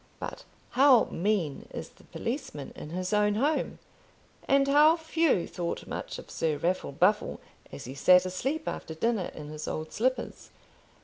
But how mean is the policeman in his own home, and how few thought much of Sir Raffle Buffle as he sat asleep after dinner in his old slippers!